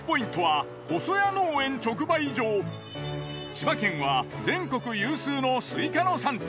千葉県は全国有数のスイカの産地。